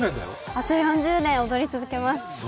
あと４０年、踊り続けます。